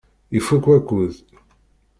Ifukk wakud.